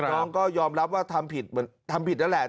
น้องก็ยอมรับว่าทำผิดแล้วแหละ